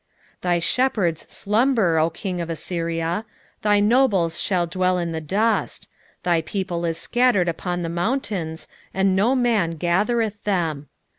3:18 Thy shepherds slumber, O king of Assyria: thy nobles shall dwell in the dust: thy people is scattered upon the mountains, and no man gathereth them.